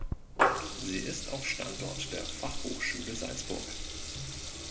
Sie ist auch Standort der Fachhochschule Salzburg.